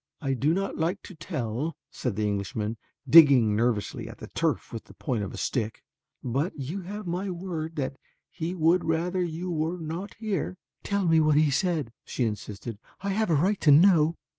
"I do not like to tell," said the Englishman, digging nervously at the turf with the point of a stick, "but you have my word that he would rather you were not here." "Tell me what he said," she insisted, "I have a right to know."